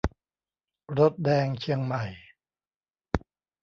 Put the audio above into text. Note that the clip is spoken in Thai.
รถแดงเชียงใหม่